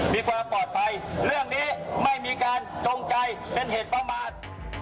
มีความปลอดภัยเรื่องนี้ไม่มีการจงใจเป็นเหตุประมาท